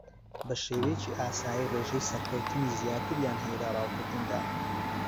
بە شێوەیەکی ئاسایی ڕێژەی سەرکەوتنی زیاتریان ھەیە لە ڕاوکردندا